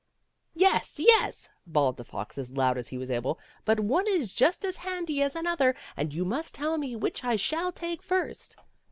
" Yes, yes," bawled the fox as loud as he was able ;" but one is just as handy as another, and you must tell me which I shall take first."